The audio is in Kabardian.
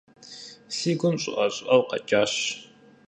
Си гум щӀыӀэ-щӀыӀэу къэкӀащ.